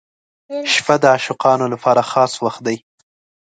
• شپه د عاشقانو لپاره خاص وخت دی.